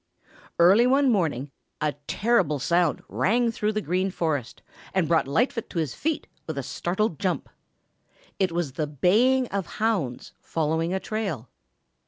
Early one morning a terrible sound rang through the Green Forest and brought Lightfoot to his feet with a startled jump. It was the baying of hounds following a trail.